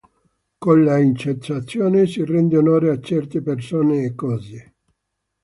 Con l'incensazione si rende onore a certe persone e cose.